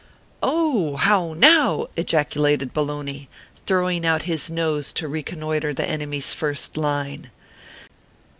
"Oh h li ! How now ?" ejaculated Bologna, throw ing out his nose to reconnoitre the enemy s first line.